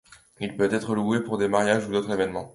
Il peut être loué pour des mariages ou d'autres événements.